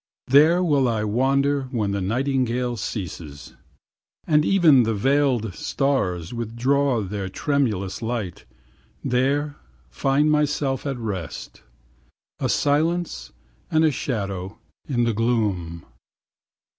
There will I wander when the nightingale Ceases, and even the veiled stars withdraw Their tremulous light, there find myself at rest, A silence and a shadow in the gloom.